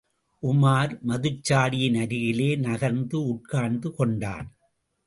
உமார், மதுச்சாடியின் அருகிலே நகர்ந்து உட்கார்ந்து கொண்டான்.